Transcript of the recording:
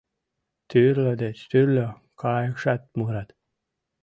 Тӱрлӧ деч тӱрлӧ кайыкшат мурат.